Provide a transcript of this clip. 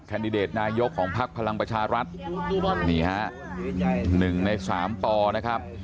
แคนดิเดตนายกของพักภัลังก์ประชารัฐนี่ฮะหนึ่งในสามต่อนะครับ